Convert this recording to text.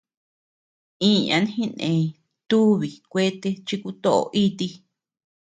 Iñan jineñ tuubi kuete chi kutoʼoo iti.